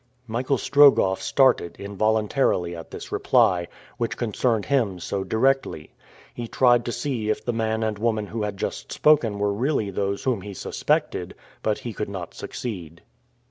Michael Strogoff started involuntarily at this reply, which concerned him so directly. He tried to see if the man and woman who had just spoken were really those whom he suspected, but he could not succeed.